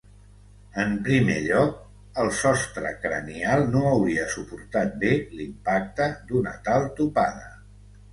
En primer lloc, el sostre cranial no hauria suportat bé l'impacte d'una tal topada.